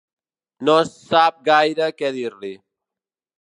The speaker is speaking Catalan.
No sap gaire què dir-li.